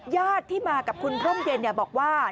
ญาติที่มากับคุณร่มเย็นบอกว่า